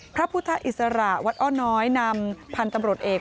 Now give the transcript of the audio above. พระพุทธอิสระวัดอ้อน้อยนำพันธุ์ตำรวจเอก